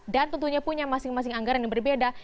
dan tentunya punya masing masing anggaran yang berbeda